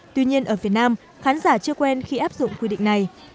tuy nhiên ở việt nam khán giả chưa quen khi áp dụng quy định này